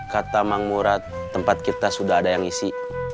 kata mang murad tempat kita sudah ada yang isi